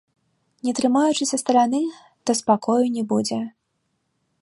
Не трымаючыся стараны, то спакою не будзе.